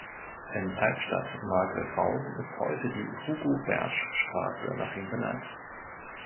In Albstadt-Margrethausen ist heute die "Hugo-Bertsch-Straße" nach ihm benannt.